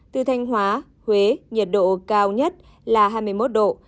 từ thanh hóa huế nhiệt độ cao nhất là hai mươi một độ